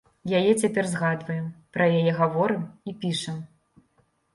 Яе цяпер згадваем, пра яе гаворым і пішам.